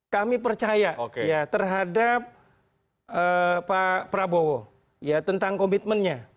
kami percaya terhadap pak prabowo tentang komitmennya